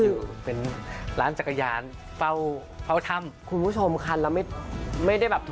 คุณผู้ชมไม่เจนเลยค่ะถ้าลูกคุณออกมาได้มั้ยคะ